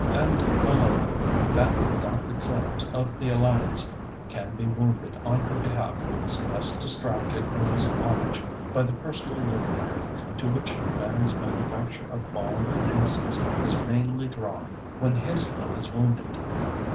And a lover, that without the claims of the alliance, can be wounded on her behalf, is less distracted in his homage by the personal luminary, to which man's manufacture of balm and incense is mainly drawn when his love is wounded.